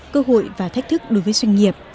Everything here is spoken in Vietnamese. cơ hội và thách thức đối với doanh nghiệp